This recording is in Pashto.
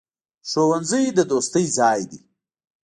ښوونځی د دوستۍ ځای دی.